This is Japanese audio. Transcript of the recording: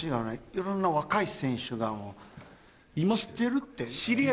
いろんな若い選手を知ってるって。